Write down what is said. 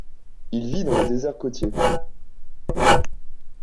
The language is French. Il vit dans les déserts côtiers.